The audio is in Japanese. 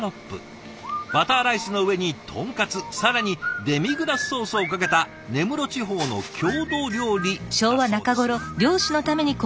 バターライスの上に豚カツ更にデミグラスソースをかけた根室地方の郷土料理だそうです。